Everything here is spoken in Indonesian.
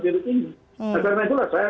hidup ini karena itulah saya